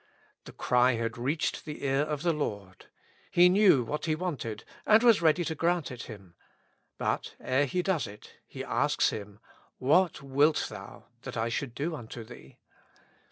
The cry had reached the ear of the Lord ; He knew what he wanted, and was ready to grant it him. But ere He does it, He asks him: •' What wilt thou that I should do unto thee?